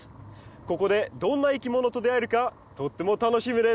ここでどんないきものと出会えるかとっても楽しみです。